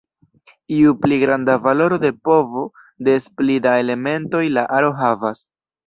Ju pli granda valoro de povo des pli da elementoj la aro havas.